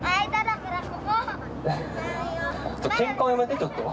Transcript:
ケンカはやめてちょっと。